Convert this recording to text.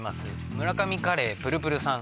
村上カレー店プルプルさん